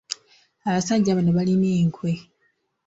Abasajja bano balina enkwe.